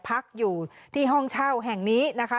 พักอยู่ที่ห้องเช่าแห่งนี้นะคะ